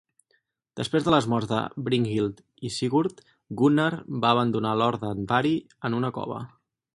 Després de les morts de Brynhild i Sigurd, Gunnar va abandonar l'or d'Andvari en una cova.